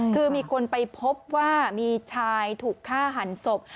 คือมีคนไปพบว่ามีชายถูกฆ่าหันศพ